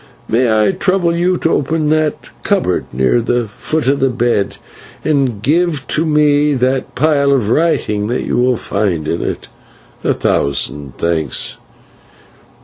"May I trouble you to open that cupboard near the foot of the bed, and to give me the pile of writing that you will find in it. A thousand thanks.